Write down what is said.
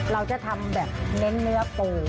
เราจะทำแบบเน้นเนื้อปู